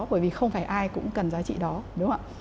bởi vì không phải ai cũng cần giá trị đó đúng không ạ